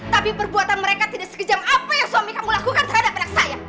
tapi perbuatan mereka tidak sekejam apa yang suami kamu lakukan terhadap anak saya